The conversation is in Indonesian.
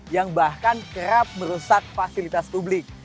yang bahkan kerap merusak fasilitas publik